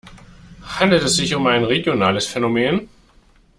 Handelt es sich um ein regionales Phänomen?